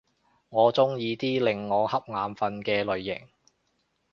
我鍾意啲令我瞌眼瞓嘅類型